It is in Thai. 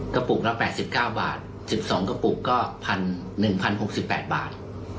กระปุกละแปดสิบเก้าบาทสิบสองกระปุกก็พันหนึ่งพันหกสิบแปดบาท